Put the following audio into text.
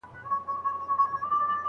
آیا ټن تر کیلوګرام ډېر وزن لري؟